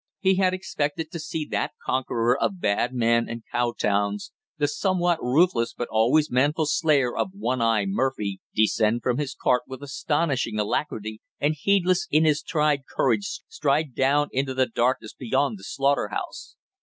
He had expected to see that conqueror of bad men and cow towns, the somewhat ruthless but always manful slayer of one eye Murphy, descend from his cart with astonishing alacrity, and heedless in his tried courage stride down into the darkness beyond the slaughter house.